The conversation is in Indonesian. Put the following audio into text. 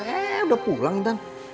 udah pulang intan